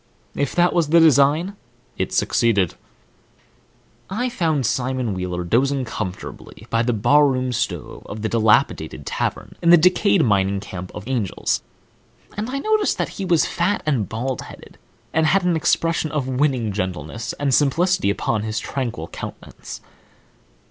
If that was the design, it certainly suceeded. I found Simon Wheeler dozing comfortably by the barroom stove of the old, dilapidated tavern in the ancient mining camp of Angel's, and I noticed that he was fat and bald headed, and had an expression of winning gentleness and simplicity upon his tranquil countenance.